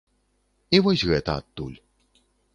І вось гэта адтуль.